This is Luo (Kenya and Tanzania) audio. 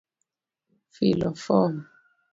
Filo fom: